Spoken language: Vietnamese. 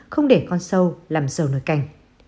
không để con sâu làm dầu nơi cành